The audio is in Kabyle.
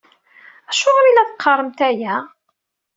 Acuɣer i la teqqaremt aya?